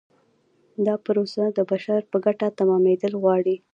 دا پروسه د بشر په ګټه تمامیدل غواړي.